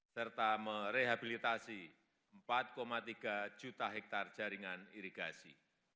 serta merehabilitasi empat tiga juta hektare jaringan irigasi